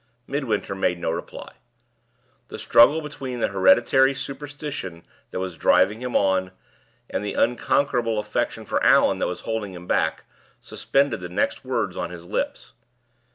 Midwinter made no reply. The struggle between the hereditary superstition that was driving him on, and the unconquerable affection for Allan that was holding him back, suspended the next words on his lips.